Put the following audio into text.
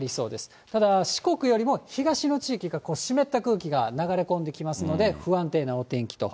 ただ、四国よりも東の地域が、湿った空気が流れ込んできますので、不安定なお天気と。